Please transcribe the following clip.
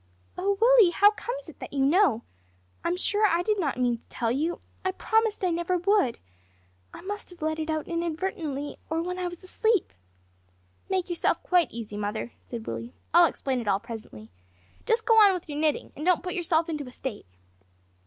"Oh, Willie, how comes it that you know? I'm sure I did not mean to tell you. I promised I never would. I must have let it out inadvertently, or when I was asleep." "Make yourself quite easy, mother," said Willie; "I'll explain it all presently. Just go on with your knitting, and don't put yourself into a state."